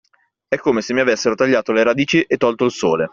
È come se mi avessero tagliato le radici e tolto il sole.